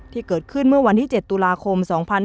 ที่เกิดขึ้นเมื่อวันที่๗ตุลาคม๒๕๕๙